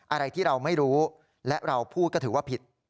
อะไรที่เราไม่รู้และเราพูดก็ถือว่าผิด